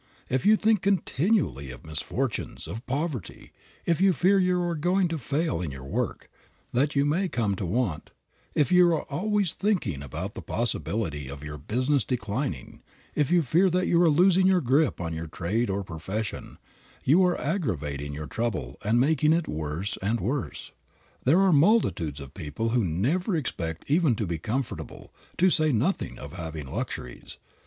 If you think continually of misfortunes, of poverty; if you fear you are going to fail in your work, that you may come to want; if you are always thinking about the possibility of your business declining; if you fear you are losing your grip on your trade or profession, you are aggravating your trouble and making it worse and worse. There are multitudes of people who never expect even to be comfortable, to say nothing of having luxuries.